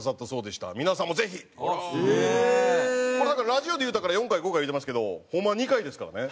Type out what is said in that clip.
ラジオで言うたから「４回５回」言うてますけどホンマは２回ですからね。